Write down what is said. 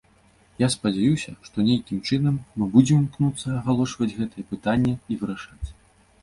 Я спадзяюся, што нейкім чынам мы будзем імкнуцца агалошваць гэтае пытанне і вырашаць.